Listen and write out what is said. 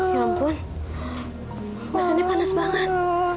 ya ampun badannya panas banget